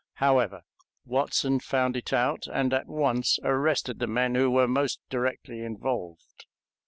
However, Watson found it out, and at once arrested the men who were most directly involved.